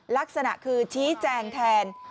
ลักษณะคือชี้แจงแทน